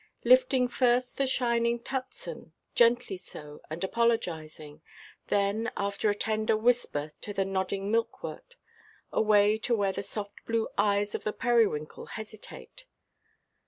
Lifting first the shining tutsan, gently so, and apologizing, then after a tender whisper to the nodding milkwort, away to where the soft blue eyes of the periwinkle hesitate.